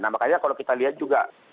nah makanya kalau kita lihat juga